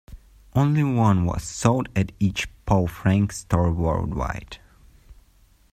Only one was sold at each Paul Frank store worldwide.